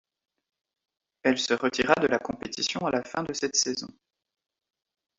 Elle se retira de la compétition à la fin de cette saison.